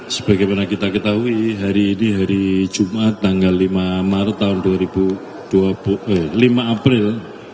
sebagaimana kita ketahui hari ini hari jumat tanggal lima april dua ribu dua puluh empat